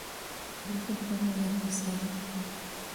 El libreto fue muy apreciado.